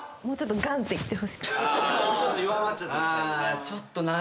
もうちょっと。